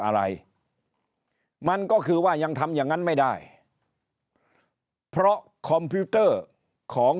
อะไรมันก็คือว่ายังทำอย่างนั้นไม่ได้เพราะคอมพิวเตอร์ของ